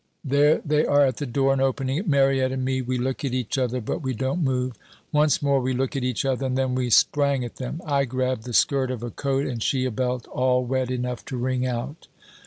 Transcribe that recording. "There they are at the door and opening it. Mariette and me, we look at each other but we don't move. Once more we look at each other, and then we sprang at them. I grabbed the skirt of a coat and she a belt all wet enough to wring out.